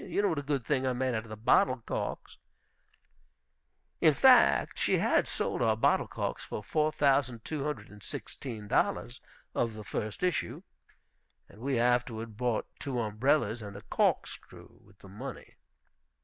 You know what a good thing I made out of the bottle corks." In fact, she had sold our bottle corks for four thousand two hundred and sixteen dollars of the first issue. We afterward bought two umbrellas and a cork screw with the money.